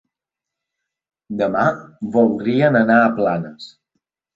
Demà voldrien anar a Planes.